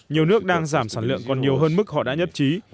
nhiều nước đang giảm sản lượng còn nhiều hơn mức họ đã nhấp chí